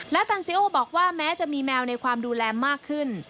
ตันซีโอบอกว่าแม้จะมีแมวในความดูแลมากขึ้น